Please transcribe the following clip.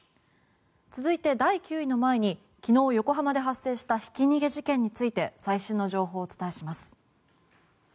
続いて第９位の前に昨日、横浜で発生したひき逃げ事件について最新の情報をお伝えします。